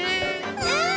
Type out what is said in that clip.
うん！